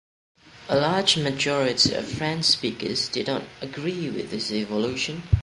A large majority of French speakers did not agree with this evolution.